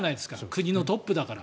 国のトップだから。